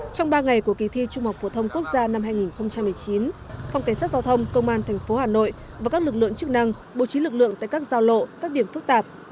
trong ba ngày của kỳ thi trung học phổ thông quốc gia năm hai nghìn một mươi chín phòng cảnh sát giao thông công an tp hà nội và các lực lượng chức năng bố trí lực lượng tại các giao lộ các điểm phức tạp